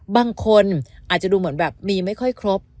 บางคนอาจจะดูเหมือนแบบมีไม่ค่อยครบ